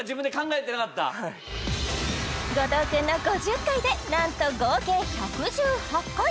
はい後藤君の５０回でなんと合計１１８回